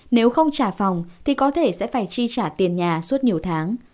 nếu không trả phòng thì có thể sẽ phải chi trả tiền nhà suốt nhiều tháng